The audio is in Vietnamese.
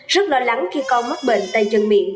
rất lo lắng khi con mắc bệnh tay chân miệng